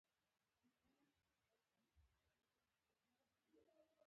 هګۍ د ناروغیو ضد مدافع ځواک زیاتوي.